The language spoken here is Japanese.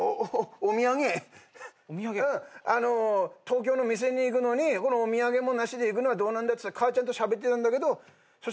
東京の店に行くのにお土産もなしで行くのはどうなんだっつって母ちゃんとしゃべってたんだけどそ